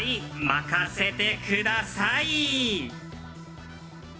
任せてください！